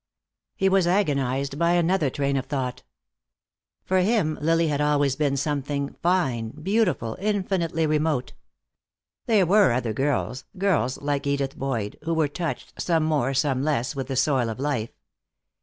He was agonized by another train of thought. For him Lily had always been something fine, beautiful, infinitely remote. There were other girls, girls like Edith Boyd, who were touched, some more, some less, with the soil of life.